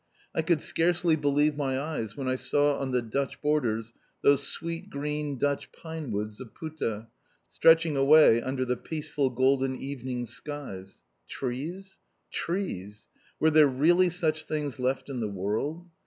I could scarcely believe my eyes when I saw on the Dutch borders those sweet green Dutch pine woods of Putte stretching away under the peaceful golden evening skies. Trees! Trees! Were there really such things left in the world?